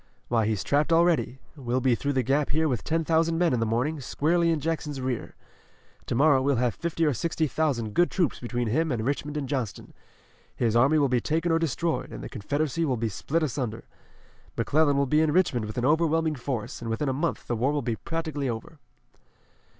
Why, he's trapped already. We'll be through the Gap here with ten thousand men in the morning, squarely in Jackson's rear. To morrow we'll have fifty or sixty thousand good troops between him and Richmond and Johnston. His army will be taken or destroyed, and the Confederacy will be split asunder. McClellan will be in Richmond with an overwhelming force, and within a month the war will be practically over."